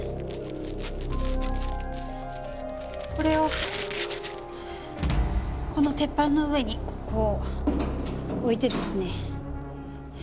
これをこの鉄板の上にこう置いてですね。